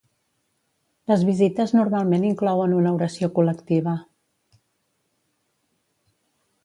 Les visites normalment inclouen una oració col·lectiva.